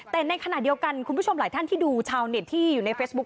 แต่ในขณะเดียวกันคุณผู้ชมหลายท่านที่ดูชาวเน็ตที่อยู่ในเฟซบุ๊ค